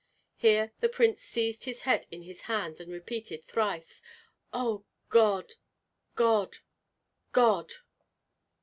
Here the prince seized his head in his hands and repeated thrice: "O God! God! God!"